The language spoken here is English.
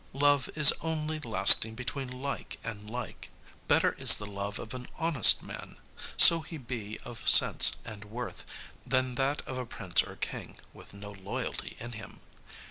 Love is only lasting between like and like. Better is the love of an honest man so he be of sense and worth than that of a prince or king, with no loyalty in him.